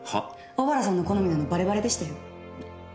小原さんの好みなのバレバレでしたよ。